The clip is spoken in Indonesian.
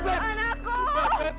lepasin aku beb